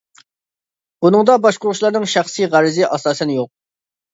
بۇنىڭدا باشقۇرغۇچىلارنىڭ شەخسىي غەرىزى ئاساسەن يوق.